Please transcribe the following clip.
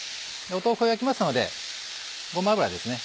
豆腐を焼きますのでごま油ですね